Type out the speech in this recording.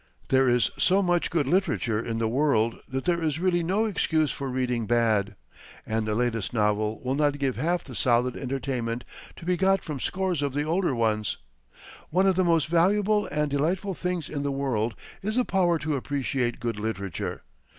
There is so much good literature in the world that there is really no excuse for reading bad, and the latest novel will not give half the solid entertainment to be got from scores of the older ones. One of the most valuable and delightful things in the world is the power to appreciate good literature.